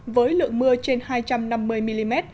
với lượng mưa trên hai trăm năm mươi mm